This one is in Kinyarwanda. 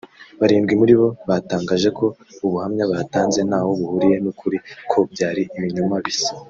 barindwi muri bo batangaje ko ubuhamya batanze ntaho buhuriye n’ukuri ko byari ibinyoma bisa